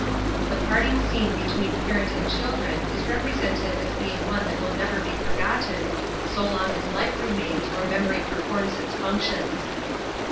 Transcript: The parting scene between parent and children is represented as being one that will never be forgotten, so long as life remains or memory performs its functions.